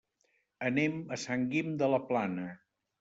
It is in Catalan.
Anem a Sant Guim de la Plana.